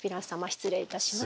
失礼いたします。